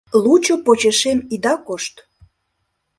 Лучо почешем ида кошт!»